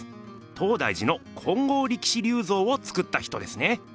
東大寺の金剛力士立像をつくった人ですね。